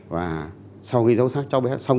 và sau khi sâu sắc cháu bé xong